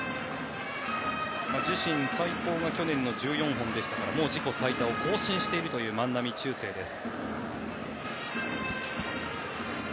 自身最高は去年の１４本でしたからもう自己最多を更新している万波中正です。